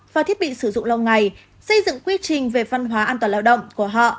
và thiết bị sử dụng lâu ngày xây dựng quy trình về văn hóa an toàn lao động của họ